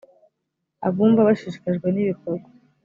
abumva bashishikajwe n ibikorwa